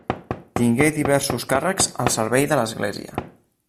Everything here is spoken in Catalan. Tingué diversos càrrecs al servei de l'església.